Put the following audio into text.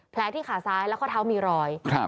ที่ขาซ้ายและข้อเท้ามีรอย